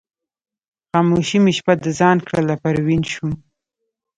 خاموشي مې شپه د ځان کړله پروین شوم